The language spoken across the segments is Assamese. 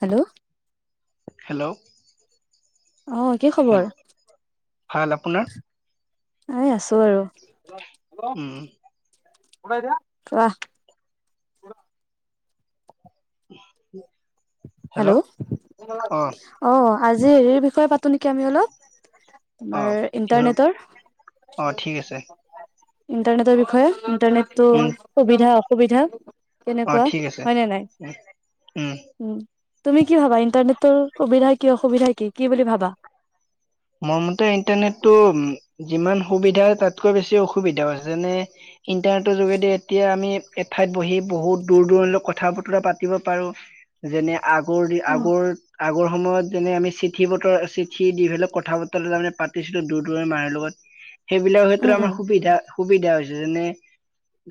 হেল্ল' হেল্ল' অহ কি হেল্ল' খবৰ? ভাল আপোনাৰ এ আছো আৰু উম কহ উ হেল্ল' অ আজি হেৰিৰ বিষয়ে পাতো নেকি আমি অলপ অ তোমাৰ কিহৰ ইন্টাৰনেটৰ অ ঠিক আছে ইণ্টাৰনেটৰ বিষয়ে ইটাৰনেটো উম সুবিধা সুবিধা অ ঠিক আছে উ উম উ তুমি কি ভাবা ইণ্টাৰনেটৰ সুবিধা কি অসুবিধা কি কি বুলি ভাবা মোৰ মতে ইণ্টাৰনেটটো যিমান সুবিধা তাতকৈ বেছি অসুবিধাও যেনে ইণ্টাৰনেটৰ যোগেদি এতিয়া আমি এঠাইত বহি বহুত দূৰ দূৰণলৈ কথা বতৰা পাতিব পাৰো যেনে- আগৰ দি উম আগৰ আগৰ সময়ত যেনে আমি চিঠি বতৰ চিঠি দি হ'লেও কত কথা বতৰাত তাৰ মানে পাতিছিলো দূৰ দূৰে মাএ লগত সেইবিলাকও হয়তো আমাৰ উম সুবিধা সুবিধা হৈছে যেনে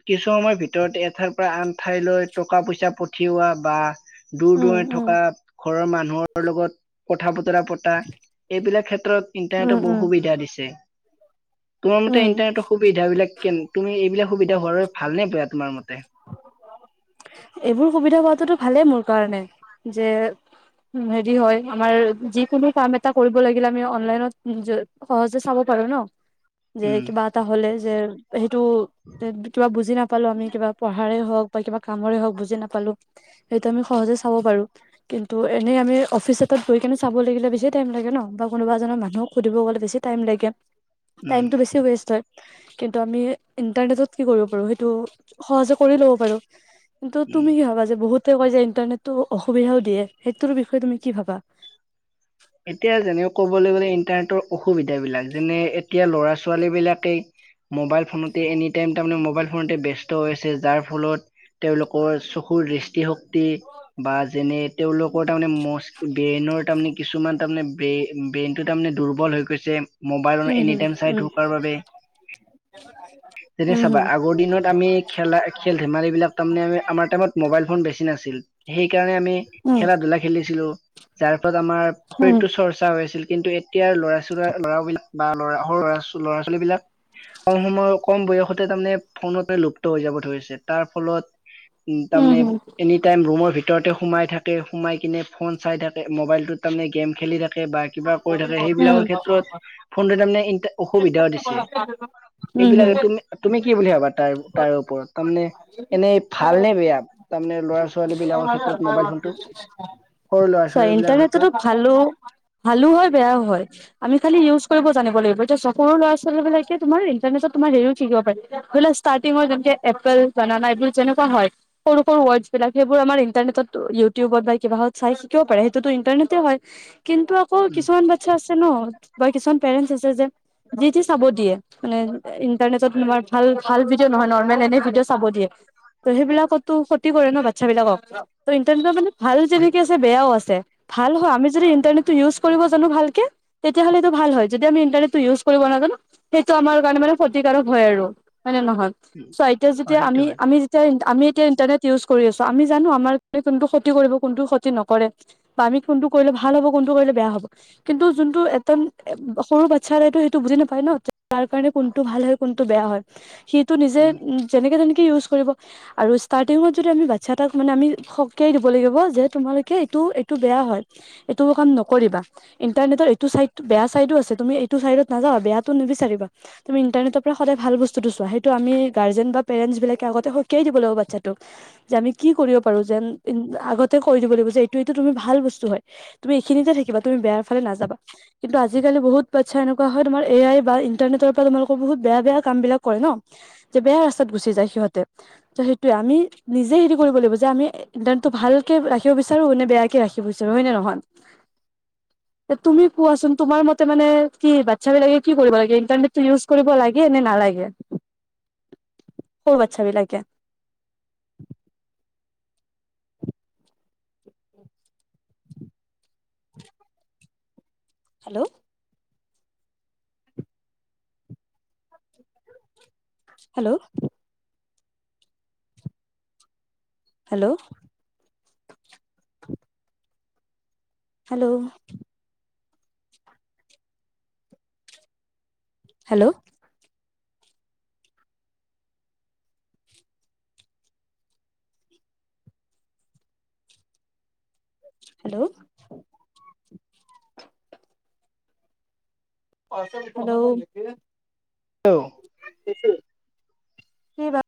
কিছু সময়ৰ ভিতৰত এঠাইৰ পৰা আন ঠাইলৈ টকা পইচা পঠিওৱা বা দূৰ উম উম দূৰে উম থকা ঘৰৰ মানুহৰ লগত কথা পত- পতা এইবিলাক ক্ষেত্ৰত উম ইণ্টাৰনেটত উম বহু সুবিধা দিছে যে তোমাৰ মতে উম ইণ্টাৰনেটৰ সুবিধা বিলাক কেন তুমি এইবিল সুবিধা হোৱাৰ বাবে ভালনে বেয়া তোমাৰ মতে? এইবোৰ সুবিধা পোৱাটোতো ভালেই মোৰ কাৰণে যে হেৰি হয় আমাৰ যিকোনো কাম এটা কৰিব লাগিলে আমি অনলাইনত সহজে চাব পাৰো ন যে উম, কিবা এটা হ'লে যে সেইটো কিবা বুজি নাপালো আমি কিবা পঢ়াৰে হওঁক বা কিবা কামৰে হক বুজি নাপালো সেইটো আমি সহজে চাব পাৰো কিন্তু এনেই আমি অফিচ এটাত গৈ কেনে চাব লাগিলে বেছিয়ে টাইম লাগে ন বা কোনোবা এজনক মানুহক সুধিব গলে বেছি টাইম লাগে উম, টাইমতটো বেছি ৱেষ্ট হয় কিন্তু আমি ইণ্টাৰনেটত কি কৰিব পাৰো সেইটো সহজে কৰি ল'ব পাৰো কিন্তু উম। তুমি কি ভাবা যে বহুত তেওঁ কয় যে ইণ্টাৰনেটটো অসুবিধাও দিয়ে সেইটোৰ বিষয়ে তুমি কি ভাবা এতিয়া যেনেক ক'বলৈ গ'লে ইন্টাৰনেটৰ অসুবিধাবিলাক যেনে এতিয়া ল'ৰা ছোৱালী বিলাকেই মোবাইল ফোনতে এনি টাইম তাৰমানে মোবাইল ফোনতে ব্যস্ত হৈ আছে যাৰ ফলত তেওঁলোকৰ চকুৰ দৃষ্টি হওক শক্তি বা যেনে তেওঁলোকৰ তাৰমানে ব্ৰেনৰ তাৰমানে কিছুমান তাৰমানে ব্ৰেইন ব্ৰেইনটো তাৰমানে দুৰ্বল হৈ গৈছে মোবাইলত উম এনি হুম টাইম চাই থকাৰ বাবে উম তেতিয়া উম হুম চাবা আগৰ দিনত আমি খেলা খেল ধেমালি বিলাক তাৰমানে আমি আমাৰ টাইমত মোবাইল ফোন বেছি নাছিল সেই কাৰণে আমি খেলা ধূলা খেলিছিলো যাৰ ফলত আমাৰ শৰীৰতটো উম চৰ্চা হৈ আছিল কিন্তু এতিয়াৰ ল'ৰা ছ ল'ৰাবিলাক বা ল'ৰা সৰু লৰা ল'ৰা ছোৱালী বিলাক কম সময়ৰ কম বয়সতে তাৰমানে ফোনতে লুপ্ত হৈ যাব ধৰিছে তাৰ ফলত উ উম উম তাৰমানে হুম এনি টাইম ৰুমৰ ভিত ৰতে সোমাই থাকে সোমাই কিনে ফোন চাই থাকে মোবাইলটোত তাৰমানে গেম খেলি থাকে বা কিবা কৰি থাকে সেইবিলাকৰ ক্ষেত্ৰত ফোনটো তামানে এনিটা অসুবিধাও দিছে উম উম এইবিলাক হুম তুমি তুমি কি বুলি ভাবা তাৰ তাৰ ওপৰত তাৰমানে এনেই ভাল নে বেয়া তাৰমানে ল'ৰা ছোৱালী বিলাকৰ চোৱা ক্ষেত্ৰত মোবাইল ফোনটো সৰু ল'ৰা ছোৱালী বিলাকৰ ক্ষেত্ৰত ইটাৰনেটতো ভালো ভালো হয় বেয়াও হয় আমি খালি ইউজ কৰিব জানিব লাগিব এতিয়া চক সৰু ল'ৰা ছোৱালী বিলাকে তোমাৰ ইণ্টাৰনেটত তোমাৰ হেৰিও শিকিব পাৰে ধৰি লোৱা ইষ্টাৰ্টিঙত যেনেকে এপল বানানা এইবোৰ যেনেকোৱা হয় সৰু সৰু ৱৰ্ডচ বিলাক সেইবোৰ আমাৰ ইণ্টাৰনেটত ইউটিউবত বা কিবাহত চাই শিকিব পাৰে সেইটোতো ইন্টাৰনেটে হয় কিন্তু আকৌ উম কিছুমান বাচ্ছা আছে ন বা কিছুমান পেৰেন্টছ আছে যে যি তি চাব দিয়ে মানে ইন্টাৰনেটত তোমাৰ ভাল ভাল ভিডিঅ' নহয় নৰ্মেল এনে ভিডিঅ' চাব দিয়ে ত' সেইবিলাকতো ক্ষতি কৰে ন বাচ্ছা বিলাকক ত ইন্টাৰনেটৰ মানে ভালো যেনেকে আছে বেয়াও আছে ভাল হয় আমি যদি ইণ্টাৰনেটটো ইউজ কৰিব জানো ভালকে তেতিয়াহ'লে এইটো ভাল হয় যদি আমি ইণ্টাৰনেটটো ইউজ কৰিব নাজানো সেইটো আমাৰ কাৰণে শত্ৰু ক্ষতিকাৰক হয় আৰু হয়নে নহয় চোৱা এতিয়া অ যেতিয়া সেইটো আমি হয় আমি যেতিয়া ইণ্টাৰ আমি এতিয়া ইন্টাৰনেট ইউজ কৰি আছো আমি জানো আমাৰ কোনটো ক্ষতি কৰিব কোনটো ক্ষতি নকৰে বা আমি কোনটো কৰিলে ভাল হ'ব কোনটো কৰিলে বেয়া হ'ব কিন্তু যোনটো এচাম সৰু বাচ্ছাৰেতটো সেইটো বুজি নাপায় ন তাৰ কাৰণে কোনটো ভাল হয় কোন টো বেয়া হয় সেই টো নিজে উম যেনেকে তেনেকে ইউজ কৰিব, আৰু ষ্টাৰ্টিঙত যদি আমি বাচ্ছা এটাক মানে আমি সকিয়াই দিব লাগিব যে, তোমালোকে এইটো এইটো বেয়া হয় এইটো কাম নকৰিবা। ইণ্টাৰনেটৰ এইটো চাই বেয়া চাইডো আছে তুমি এইটো চাইডত নাযাব বেয়াটো নিবিচাৰিবা তুমি ইন্টাৰনেটৰ পৰা সদায় ভাল বস্তু [unintelligible] সেইটো আমি গাজেনত বা প্ৰেৰেটচ বিলাকে আগতে শকীয়াই দিব লাগিব বাচ্ছোক। যে আমি কি কৰিব পাৰো, যে আগতে কৈ দিব লাগিব এইটোটো ত ভাল বস্তু হয়, তুমি এইখিনিতে থাকিবা তুমি বেয়া ফালে নাযাবা। কিন্তু আজালি বহুত বচ্ছা এনে হয় এ আই বা ইাৰনেটৰ পৰা বহুত বেয়া বেয়া কাম বিলাক কৰে ন বেয়া ৰাস্তাত গুচি যায় সিহঁতে। ত সেইটোয়ে আমি নিজে হেৰি কৰিব লাগিব যে আমি ইন্টাৰনেটটো ভালকে ৰাখিব বিচাৰো নে বেয়াকে ৰাখিব বিচাৰো হয় নে নহয়? তুমি কোৱাচোন তোমাৰ মতে মানে কি বাচ্ছা বিলাকে কি কৰিব লাগে? ইন্টাৰনেটটো ইউজ কৰিব লাগে নে নালাগে? সৰু বাচ্ছা বিলাকে। উ [inaudible] hello hello hello hello hello hello [unintelligible] hello উম [unintelligible] কি বা।